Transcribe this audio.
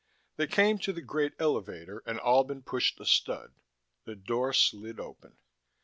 They came to the great elevator and Albin pushed a stud. The door slid open.